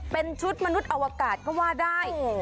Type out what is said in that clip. เป็นชุดมนุษย์อวกาศก็ว่าได้